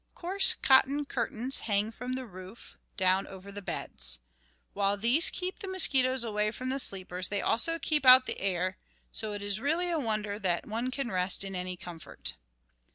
Coarse cotton curtains hang from the roof down over the beds. While these keep the mosquitoes away from the sleepers, they also keep out the air, so it is really a wonder that one can rest in any comfort.